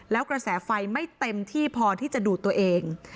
แล้วกระแสไฟไม่เต็มที่พอที่จะดูดตัวเอง